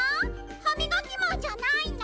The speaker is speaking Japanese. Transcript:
ハミガキマンじゃないの？